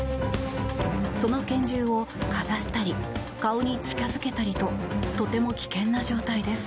その拳銃をかざしたり顔に近付けたりととても危険な状態です。